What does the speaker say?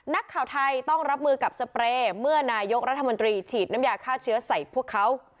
นักข่าวไทยต้องรับมือกับสเปรย์เมื่อนายกรัฐมนตรีฉีดน้ำยาฆ่าเชื้อใส่พวกเขา